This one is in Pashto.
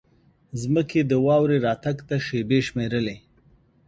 ځمکې د واورې راتګ ته شېبې شمېرلې.